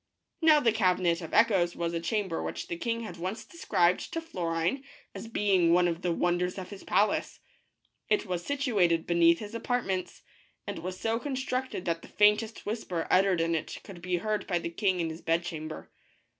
Now the Cabinet of Echoes was a chamber which the king had once described to Florine as being one of the wonders of his palace. It was situated beneath his apartments, and was so constructed that the faintest whisper uttered in it could be heard by the king in his bedchamber.